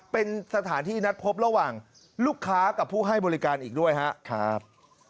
เป็นสถานที่นัดพบระหว่างลูกค้ากับผู้ให้บริการอีกด้วยครับ